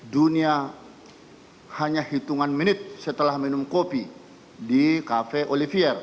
dunia hanya hitungan menit setelah minum kopi di cafe olivier